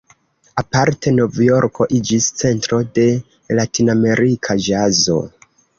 Aparte Novjorko iĝis centro de ”latinamerika ĵazo".